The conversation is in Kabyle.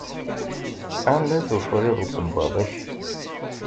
Anda-t ufriḍ usebbaḍ-ik?